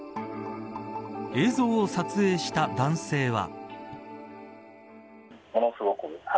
映像を撮影した男性は。